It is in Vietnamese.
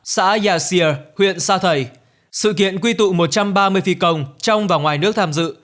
xã yà xìa huyện sa thầy sự kiện quy tụ một trăm ba mươi phi công trong và ngoài nước tham dự